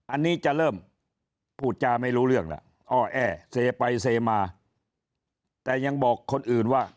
อันนี้จะเริ่มพูดจาไม่รู้เรื่องแล้วอ้อแอเซไปเซมาแต่ยังบอกคนอื่นว่า